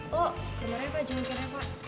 lo kemarin apa jungukin reva